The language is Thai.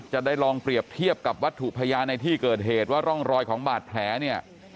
จะได้ลองเปรียบเทียบกับวัตถุพยานในที่เกิดเหตุว่าร่องรอยของบาดแผลเนี่ย